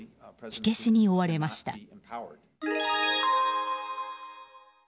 火消しに追われました。